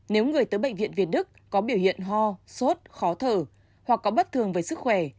nếu người tới bệnh viện việt đức có biểu hiện ho sốt khó thở hoặc có bất thường với sức khỏe